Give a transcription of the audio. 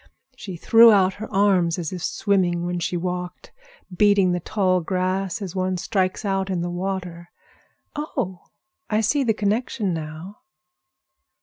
She threw out her arms as if swimming when she walked, beating the tall grass as one strikes out in the water. Oh, I see the connection now!"